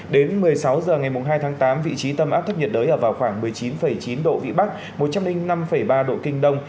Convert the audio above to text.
đến một mươi sáu giờ ngày mùng hai tháng tám vị trí tầm áp thấp nhiệt đới vào khoảng một mươi chín chín độ vị bắc một trăm linh năm ba độ kinh đông